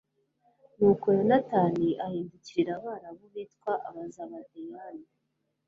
nuko yonatani ahindukirana abarabu bitwa abazabadeyani